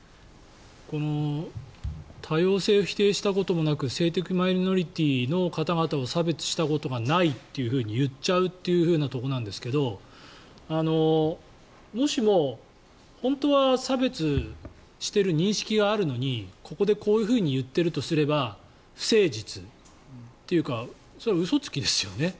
この多様性を否定したこともなく性的マイノリティーの方々を差別したことがないというふうに言っちゃうというところですがもしも、本当は差別している認識があるのにここでこういうふうに言っているとすれば不誠実というかそれは嘘つきですよね。